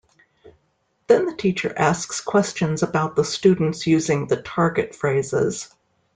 Then the teacher asks questions about the students using the target phrases.